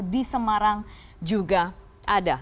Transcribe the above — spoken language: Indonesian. di semarang juga ada